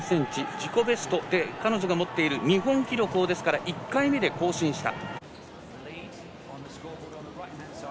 自己ベストで彼女が持っている日本記録を１回目で更新した。